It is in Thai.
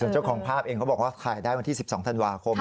เจ้าของภาพเองเขาบอกว่าถ่ายได้วันที่๑๒ธันวาคม